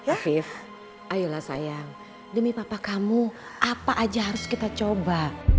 afif ayolah sayang demi papa kamu apa aja harus kita coba